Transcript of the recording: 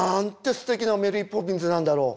すてきな「メリー・ポピンズ」なんだろう。